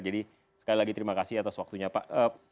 jadi sekali lagi terima kasih atas waktunya pak